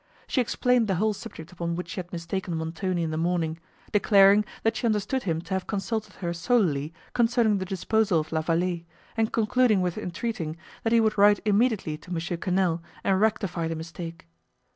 She explained the whole subject upon which she had mistaken Montoni in the morning, declaring, that she understood him to have consulted her solely concerning the disposal of La Vallée, and concluding with entreating, that he would write immediately to M. Quesnel, and rectify the mistake.